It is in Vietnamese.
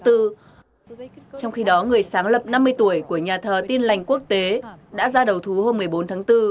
trong khi đó người sáng lập năm mươi tuổi của nhà thờ tin lành quốc tế đã ra đầu thú hôm một mươi bốn tháng bốn